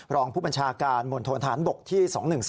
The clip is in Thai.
รองผู้บัญชาการมณฑนฐานบกที่๒๑๒